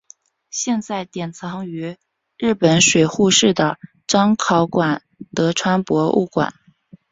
现在典藏于日本水户市的彰考馆德川博物馆。